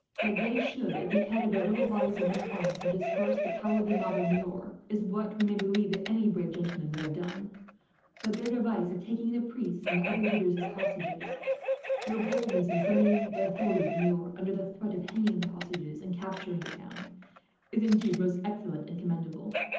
That they should, at the head of their little bodies of men at arms, have dispersed the cowardly mob of Niort, is what we may believe that any brave gentleman would have done; but their device of taking the priests and the other leaders as hostages, their boldness in summoning the authorities of Niort, under the threat of hanging the hostages and capturing the town, is indeed most excellent and commendable.